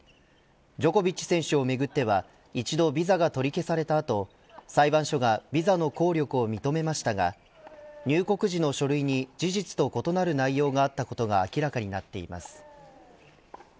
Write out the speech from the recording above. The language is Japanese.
ジョコビッチ選手をめぐっては一度ビザが取り消された後裁判所がビザの効力を認めましたが入国時の書類に事実と異なる内容があったことが明らかになっています。